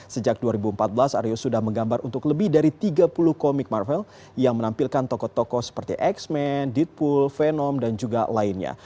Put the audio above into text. sejak dua ribu empat belas aryo sudah menggambar untuk lebih dari tiga puluh komik marvel yang menampilkan tokoh tokoh seperti x men deatpool venom dan juga lainnya